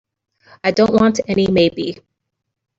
I don't want any maybe.